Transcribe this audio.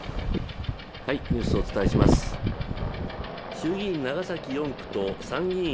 衆議院長崎４区と参議院